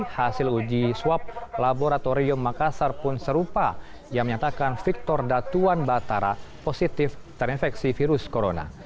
hasil uji swab laboratorium makassar pun serupa yang menyatakan victor datuan batara positif terinfeksi virus corona